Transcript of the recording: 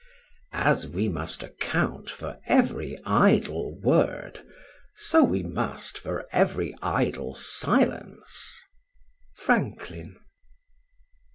"As we must account for every idle word, so we must for every idle silence." FRANKLIN.